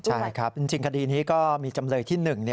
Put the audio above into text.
ใช่ครับจริงคดีนี้ก็มีจำเลยที่๑